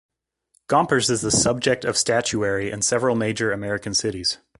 Gompers is the subject of statuary in several major American cities.